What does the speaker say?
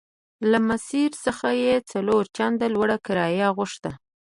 له ماسیر څخه یې څلور چنده لوړه کرایه غوښته.